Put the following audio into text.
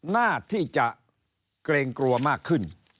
หน้าที่จะเกรงกลัวมากขึ้น